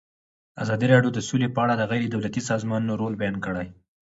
ازادي راډیو د سوله په اړه د غیر دولتي سازمانونو رول بیان کړی.